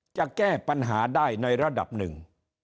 จะแก้ปัญหาได้ในระดับหนึ่ง